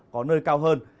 có nơi cao hơn